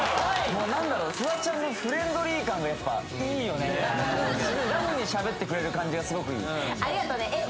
もう何だろフワちゃんのフレンドリー感がやっぱいいよねすごいラフに喋ってくれる感じがすごくいいありがとねえっ？